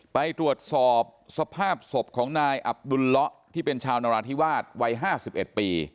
ไปตรวจสอบสภาพศพของนายอับดุลเลาะที่เป็นชาวนราธิวาสวัย๕๑ปี